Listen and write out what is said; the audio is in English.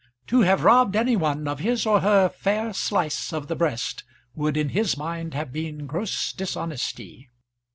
To have robbed any one of his or her fair slice of the breast would, in his mind, have been gross dishonesty.